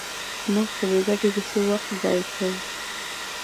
موږ په بې ګټې کیسو وخت ضایع کوو.